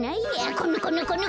このこのこの！